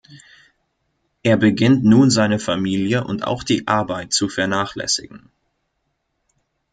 Er beginnt nun seine Familie und auch die Arbeit zu vernachlässigen.